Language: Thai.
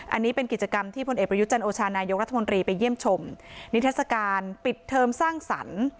อันนี้เป็นกิจกรรมที่พลเอกประยุจันโอชานายกรัฐมนตรีไปเยี่ยมชมนิทัศกาลปิดเทอมสร้างสรรค์